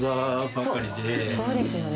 そうですよね。